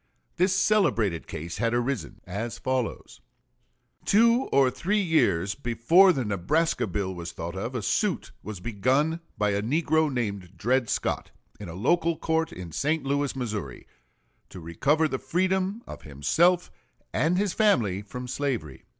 This celebrated case had arisen as follows: Two or three years before the Nebraska bill was thought of, a suit was begun by a negro named Dred Scott, in a local court in St. Louis, Missouri, to recover the freedom of himself and his family from slavery.